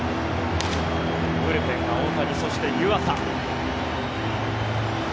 ブルペンは大谷そして湯浅。